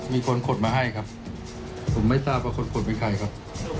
มีคนกดมาให้ครับผมไม่ทราบว่าคนกดเป็นใครครับ